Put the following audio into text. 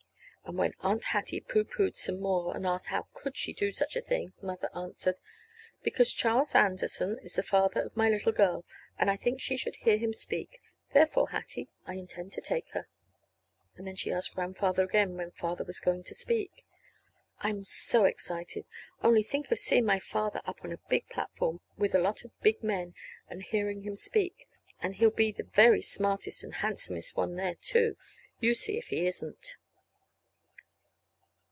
And when Aunt Hattie pooh poohed some more, and asked how could she do such a thing, Mother answered: "Because Charles Anderson is the father of my little girl, and I think she should hear him speak. Therefore, Hattie, I intend to take her." And then she asked Grandfather again when Father was going to speak. I'm so excited! Only think of seeing my father up on a big platform with a lot of big men, and hearing him speak! And he'll be the very smartest and handsomest one there, too. You see if he isn't!